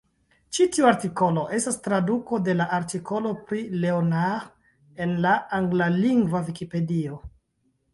Ĉi tiu artikolo estas traduko de la artikolo pri Leonhard en la anglalingva Vikipedio.